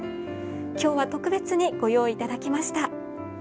きょうは特別にご用意いただきました。